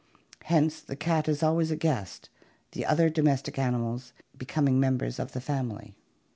Hence the cat is always a guest, the other domestic animals be coming members of the family.